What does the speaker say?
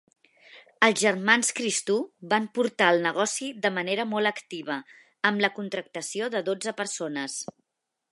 Els germans Christou van portar el negoci de manera molt activa, amb la contractació de dotze persones.